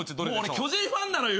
俺巨人ファンなのよ。